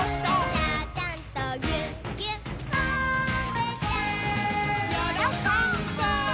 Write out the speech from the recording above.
「ちゃちゃんとぎゅっぎゅっこんぶちゃん」